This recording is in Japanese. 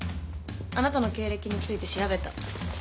あなたの経歴について調べた。